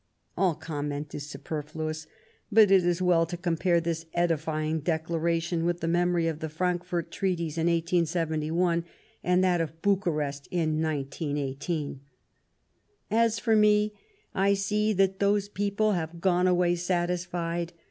(All comment is superfluous ; but it is well to compare this edifying declaration with the memory of the Frankfort Treaties in 1871 and that of Bucharest in 1918.) " As for me, I see that those people have gone away satisfied.